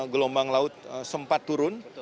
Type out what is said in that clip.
gelombang laut sempat turun